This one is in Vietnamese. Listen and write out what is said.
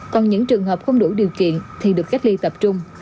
còn những trường hợp không đủ điều kiện thì được cách ly tập trung